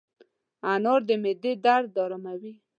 انار د معدې درد اراموي.